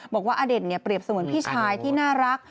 บอกว่าอเด่นเนี่ยเปรียบเสมือนพี่ชายที่น่ารัก